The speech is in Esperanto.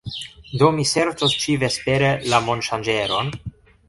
Do mi serĉos ĉi-vespere la monŝanĝeron